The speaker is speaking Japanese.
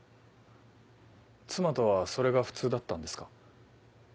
妻とはそれが普通だったんですか？